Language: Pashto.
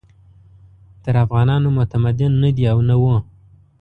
تر افغانانو متمدن نه دي او نه وو.